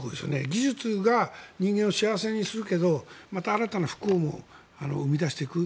技術が人間を幸せにするけどまた新たな不幸も生み出していく。